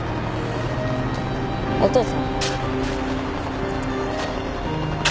お父さん？